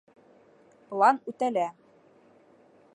План үтәлә.